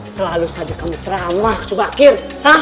selalu saja kamu teramah subakir